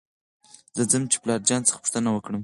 زه ځم چې پلار جان څخه پوښتنه وکړم .